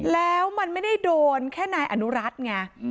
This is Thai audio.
แล้วมันไม่ได้โดนแค่นายอนุรัติไง